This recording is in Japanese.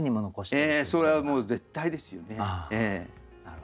ええそれはもう絶対ですよね。